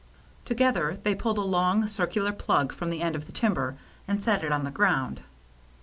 Together they pulled a long, circular plug fi om the end of the timber, and set it on the ground.